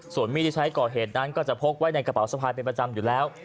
ส่วนมีดที่ใช้ก่อเหตุนั้นก็จะพกไว้ในกระเป๋าสะพายเป็นประจำอยู่แล้ว